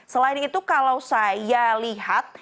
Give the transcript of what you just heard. selain itu kalau saya lihat